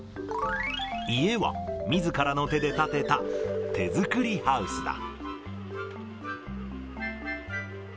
家はみずからの手で建てた手作りハウスだ。